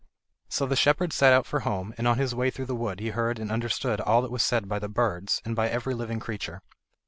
So the shepherd set out for home, and on his way through the wood he heard and understood all that was said by the birds, and by every living creature.